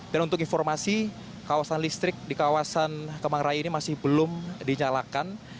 dan untuk informasi kawasan listrik di kawasan kemang raya ini masih belum dinyalakan